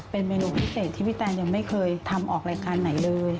เป็นเมนูพิเศษที่พี่แตนยังไม่เคยทำออกรายการไหนเลย